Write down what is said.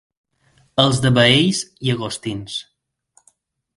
Els de Baells, llagostins.